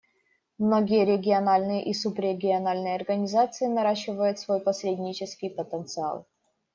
Многие региональные и субрегиональные организации наращивают свой посреднический потенциал.